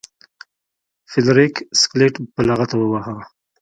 فلیریک سکلیټ په لغته وواهه.